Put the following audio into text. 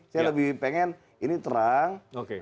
saya lebih pengen ini terang